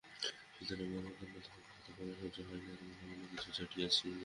সীতারামের বদান্যতা ভাগবতের বড়ো সহ্য হয় নাই, মনে মনে কিছু চটিয়াছিল।